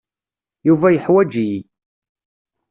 Yuba yeḥwaǧ-iyi.